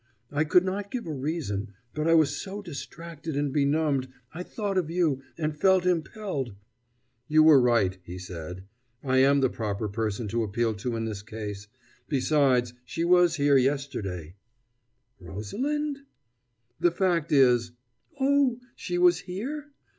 I could not give a reason but I was so distracted and benumbed. I thought of you, and felt impelled " "You were right," he said. "I am the proper person to appeal to in this case. Besides, she was here yesterday " "Rosalind?" "The fact is " "Oh, she was here?